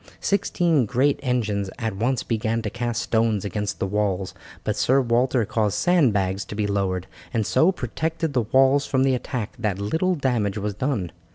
Sixteen great engines at once began to cast stones against the walls, but Sir Walter caused sandbags to be lowered, and so protected the walls from the attack that little damage was done.